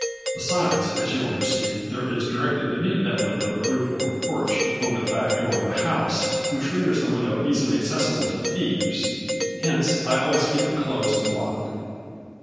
Besides, as you will perceive, there is di rectly beneath that window, the roof of a porch over the back door of the house, which renders the window easily accessible to thieves ; hence, I always keep it closed and locked.